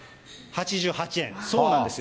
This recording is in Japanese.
８８円、そうなんですよ。